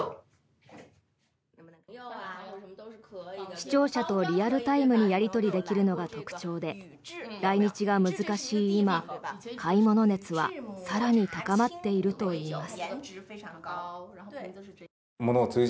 視聴者とリアルタイムにやり取りできるのが特徴で来日が難しい今、買い物熱は更に高まっているといいます。